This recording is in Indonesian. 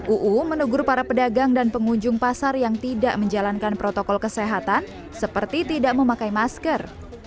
uu menegur para pedagang dan pengunjung pasar yang tidak menjalankan protokol kesehatan seperti tidak memakai masker